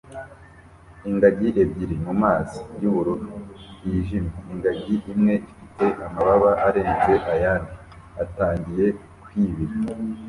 Ingagi ebyiri mumazi yubururu yijimye ingagi imwe ifite amababa arenze ayandi atangiye kwibira